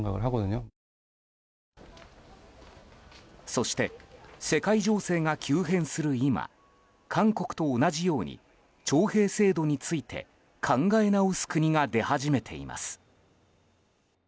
そして、世界情勢が急変する今韓国と同じように徴兵制度について考え直す国が出始めています。